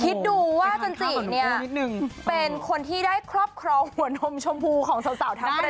คิดดูว่าจันจิเนี่ยเป็นคนที่ได้ครอบครองหัวนมชมพูของสาวทั้งอะไร